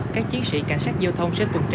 các chiến sĩ cảnh sát giao thông sẽ tuần tra